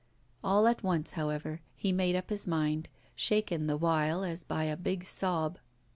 All at once, however, he made up his mind, shaken the while as by a big sob.